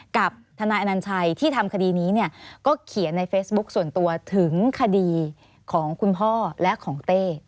กับทนายอนัญชัยที่ทำคดีนี้เนี่ยก็เขียนในเฟซบุ๊คส่วนตัวถึงคดีของคุณพ่อและของเต้